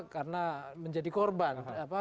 karena menjadi korban